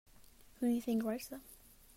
Who do you think writes them?